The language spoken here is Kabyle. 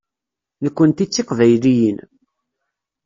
Nekkenti d Tiqbayliyin.